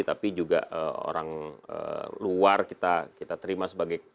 tapi juga orang luar kita terima sebagai